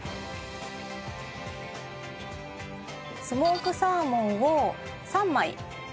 スモークサーモンを３枚。